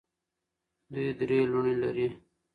دوی درې لوڼې لري.